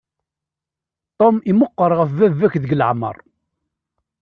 Tom i meqqer ɣef baba-k deg leεmer.